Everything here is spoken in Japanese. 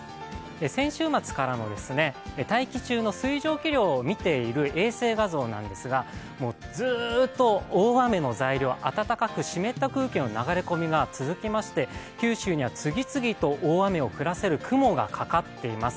先週末からの大気中の水蒸気量をみている衛星画像なんですが、ずっと大雨の材料、暖かく湿った空気の流れ込みが続きまして、九州には次々と大雨を降らせる雲がかかっています。